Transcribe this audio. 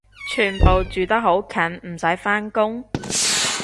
全部住得好近唔使返工？